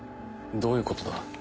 どういうことだ？